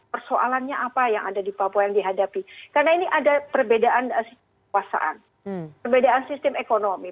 perbedaan sistem ekonomi